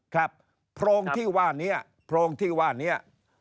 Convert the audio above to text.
โพรงที่ว่านี้โพรงที่ว่านี้